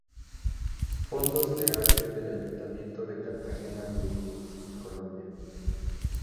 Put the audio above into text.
Fondos de Arte del Ayuntamiento de Cartagena de Indias, Colombia.